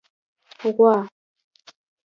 🐄 غوا